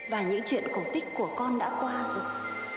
và những chuyện cổ tích của con đã qua rồi